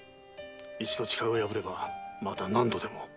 一度誓いを破ればまた何度でも。